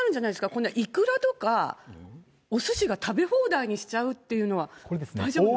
こんなイクラとか、おすし食べ放題にしちゃうっていうのは大丈夫なんですか？